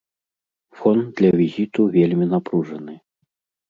Фон для візіту вельмі напружаны.